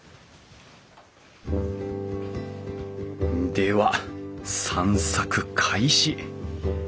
では散策開始！